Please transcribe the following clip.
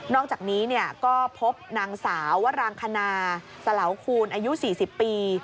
อกจากนี้ก็พบนางสาววรางคณาสลาวคูณอายุ๔๐ปี